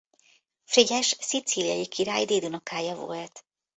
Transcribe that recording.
Frigyes szicíliai király dédunokája volt.